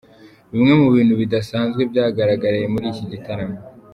Bimwe mu bintu bidasanzwe byagaragaye muri iki gitaramo:.